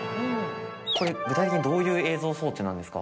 これ具体的にどういう映像装置なんですか？